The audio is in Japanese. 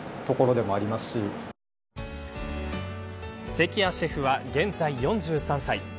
関谷シェフは現在４３歳。